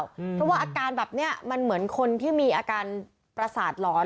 เพราะว่าอาการแบบนี้มันเหมือนคนที่มีอาการประสาทหลอน